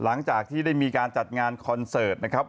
หลังจากที่ได้มีการจัดงานคอนเสิร์ตนะครับ